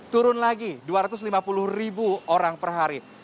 turun lagi dua ratus lima puluh ribu orang per hari